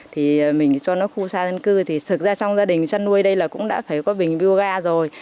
thì mình cho nó khu xa dân cư thì thực ra trong gia đình chăn nuôi đây là cũng đã phải có bình bioga rồi